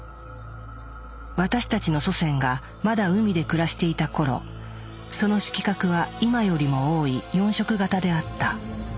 私たちの祖先がまだ海で暮らしていた頃その色覚は今よりも多い４色型であった。